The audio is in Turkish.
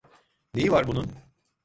Neyi var bunun?